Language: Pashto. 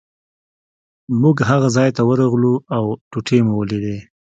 موږ هغه ځای ته ورغلو او ټوټې مو ولیدې.